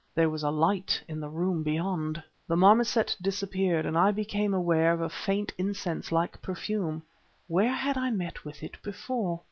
There was a light in the room beyond! The marmoset disappeared and I became aware of a faint, incense like perfume. Where had I met with it before?